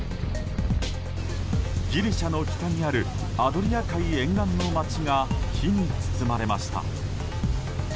ギリシャの北にあるアドリア海沿岸の街が火に包まれました。